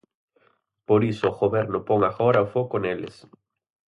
Por iso o Goberno pon agora o foco neles.